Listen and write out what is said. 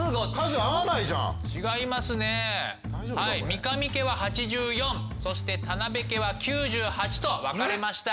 はい三神家は８４そして店部家は９８と分かれました。